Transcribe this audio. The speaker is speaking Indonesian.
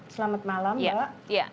selamat malam mbak